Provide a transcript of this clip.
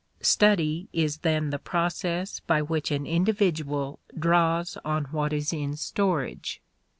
Study is then the process by which an individual draws on what is in storage.